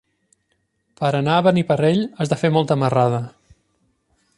Per anar a Beniparrell has de fer molta marrada.